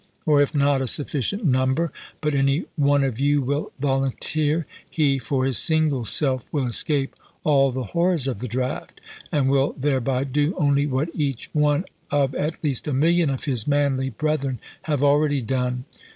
Or if not a sufficient number, but any one of you will volunteer, he for his single self will escape all the horrors of the draft, and will thereby do only what each one of at least a million of his manly brethren have already done.